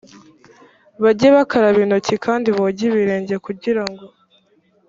bajye bakaraba intoki kandi boge ibirenge kugira ngo